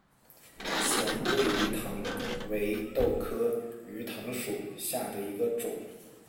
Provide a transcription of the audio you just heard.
黔桂鱼藤为豆科鱼藤属下的一个种。